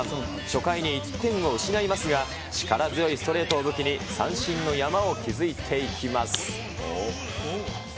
初回に１点を失いますが、力強いストレートを武器に、三振の山を築いていきます。